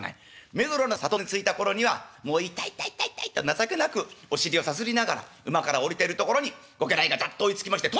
目黒の里に着いた頃にはもう「痛い痛い痛い痛い」と情けなくお尻をさすりながら馬から下りてるところにご家来がざっと追いつきまして。